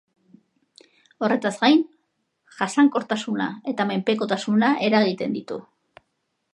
Horretaz gain jasankortasuna eta menpekotasuna eragiten ditu.